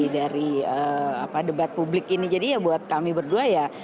dari debat publik ini jadi ya buat kami berdua ya